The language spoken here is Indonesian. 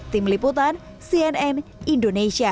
tim liputan cnn indonesia